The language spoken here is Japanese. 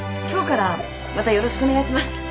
今日からまたよろしくお願いします。